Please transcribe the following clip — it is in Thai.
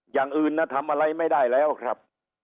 อย่างอื่นทำอะไรไม่ได้แล้วครับ